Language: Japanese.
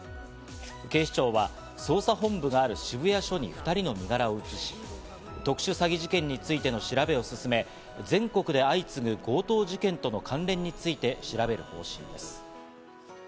警視庁は捜査本部がある渋谷署に２人の身柄を移し、特殊詐欺事件についての調べを進め、全国で相次ぐ強盗事件との関連について調べる方針です。